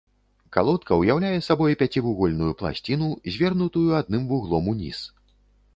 Калодка ўяўляе сабой пяцівугольную пласціну, звернутую адным вуглом уніз.